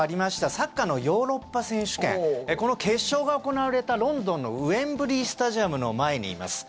サッカーのヨーロッパ選手権この決勝が行われたロンドンのウェンブリー・スタジアムの前にいます。